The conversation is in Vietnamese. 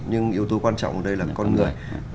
nhưng yếu tố quan trọng ở đây là con người